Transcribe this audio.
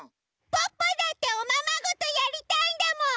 ポッポだっておままごとやりたいんだもん！